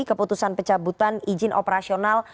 keputusan pencabutan izin operasional